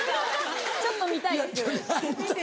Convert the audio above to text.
・ちょっと見たいです・いや。